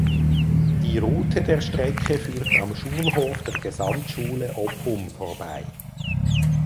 Die Route der Strecke führt am Schulhof der Gesamtschule Oppum vorbei.